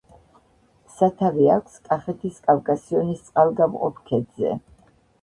სათავე აქვს კახეთის კავკასიონის წყალგამყოფ ქედზე.